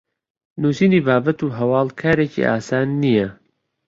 نوسینی بابەت و هەواڵ کارێکی ئاسان نییە